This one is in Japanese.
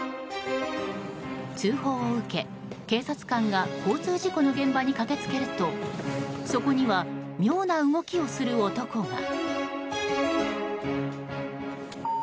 通報を受け、警察官が交通事故の現場に駆け付けるとそこには妙な動きをする男が。